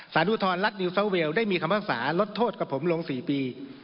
อุทธรณรัฐนิวซาวเวลได้มีคำภาษาลดโทษกับผมลง๔ปี